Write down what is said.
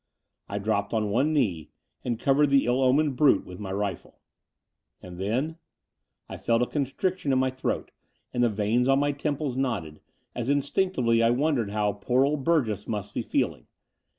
I dropped on one knee and covered the ill omened brute with my rifle. And then ... I felt a constriction in my throat, and the veins on my temples knotted, as instinctively I wondered how poor old Burgess must be feeling